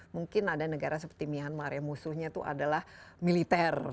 mungkin ada negara seperti myanmar yang musuhnya itu adalah militer